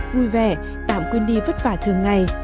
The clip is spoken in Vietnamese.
vui vẻ tạm quên đi vất vả thường ngày